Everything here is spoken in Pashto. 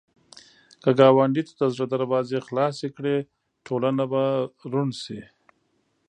که ګاونډي ته د زړه دروازې خلاصې کړې، ټولنه به روڼ شي